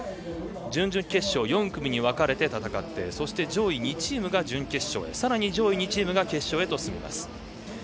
準々決勝４組に分かれて戦ってそして上位２チームが準決勝へさらに上位２チームが決勝へと進みます。